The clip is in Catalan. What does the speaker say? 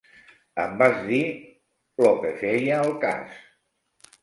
- Em vas dir... lo que feia al cas.